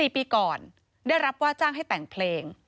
๔ปีก่อนได้รับว่าจ้างให้แต่งเพลง